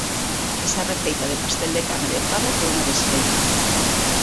Esa receita do pastel de carne de pavo é unha desfeita.